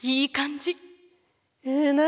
え何？